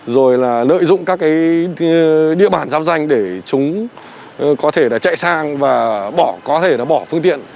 rồi là lợi dụng các địa bàn giám danh để chúng có thể chạy sang và có thể bỏ phương tiện